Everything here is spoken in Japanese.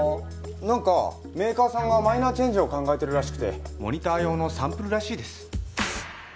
何かメーカーさんがマイナーチェンジを考えてるらしくてモニター用のサンプルらしいです